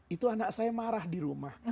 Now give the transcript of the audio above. itu anak saya marah di rumah